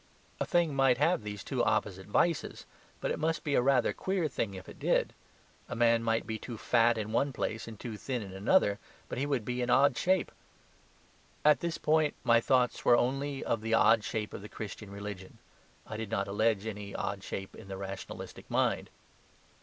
A thing might have these two opposite vices; but it must be a rather queer thing if it did. A man might be too fat in one place and too thin in another; but he would be an odd shape. At this point my thoughts were only of the odd shape of the Christian religion; I did not allege any odd shape in the rationalistic mind.